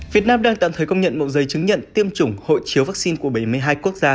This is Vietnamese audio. việt nam đang tạm thời công nhận bộ giấy chứng nhận tiêm chủng hộ chiếu vaccine của bảy mươi hai quốc gia